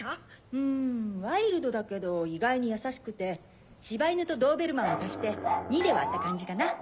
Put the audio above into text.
うんワイルドだけど意外に優しくて柴犬とドーベルマンを足して２で割った感じかな？